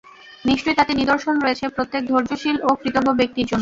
নিশ্চয় তাতে নিদর্শন রয়েছে প্রত্যেক ধৈর্যশীল ও কৃতজ্ঞ ব্যক্তির জন্য।